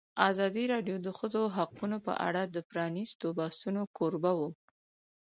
ازادي راډیو د د ښځو حقونه په اړه د پرانیستو بحثونو کوربه وه.